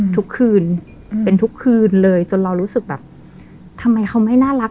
ทุกคืนเป็นทุกคืนเลยจนเรารู้สึกแบบทำไมเขาไม่น่ารัก